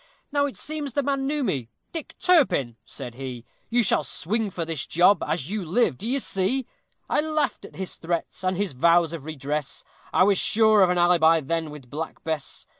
Now it seems the man knew me; "Dick Turpin," said he, "You shall swing for this job, as you live, d'ye see;" I laughed at his threats and his vows of redress; I was sure of an alibi then with Black Bess.